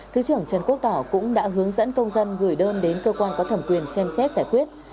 thứ trưởng trần quốc tỏ cũng đã hướng dẫn công dân gửi đơn đến cơ quan có thẩm quyền xem xét giải quyết